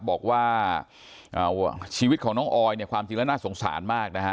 บอกว่าชีวิตของน้องออยเนี่ยความจริงแล้วน่าสงสารมากนะฮะ